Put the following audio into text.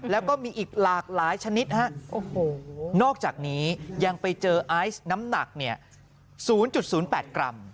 แล้วก็มีอีกหลากหลายชนิดนอกจากนี้ยังไปเจอไอซ์น้ำหนัก๐๐๘กรัม